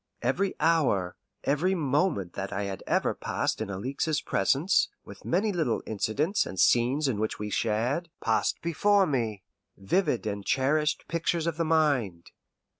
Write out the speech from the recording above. Every hour, every moment that I had ever passed in Alixe's presence, with many little incidents and scenes in which we shared, passed before me vivid and cherished pictures of the mind.